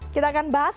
kita akan bahas